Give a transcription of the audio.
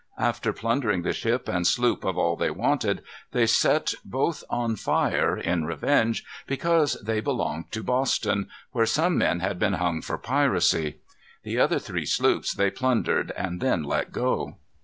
After plundering the ship and sloop of all they wanted, they set both on fire, in revenge, because they belonged to Boston, where some men had been hung for piracy. The other three sloops they plundered and then let go.